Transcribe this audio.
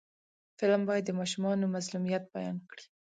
فلم باید د ماشومانو مظلومیت بیان کړي